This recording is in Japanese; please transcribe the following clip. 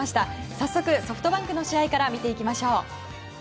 早速、ソフトバンクの試合から見ていきましょう。